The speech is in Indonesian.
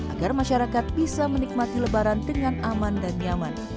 agar masyarakat bisa menikmati lebaran dengan aman dan nyaman